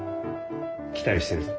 期待してるぞ。